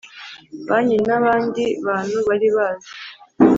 banki n abandi bantu bari bazi